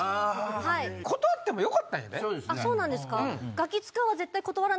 そうなんですか？